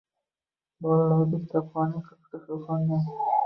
Bolalarda kitobxonlikka qiziqish uyg‘ongan.